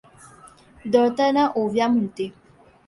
दळताना ओव्या म्हणते.